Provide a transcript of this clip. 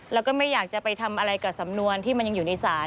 แล้วก็ไม่อยากจะไปทำอะไรกับสำนวนที่มันยังอยู่ในศาล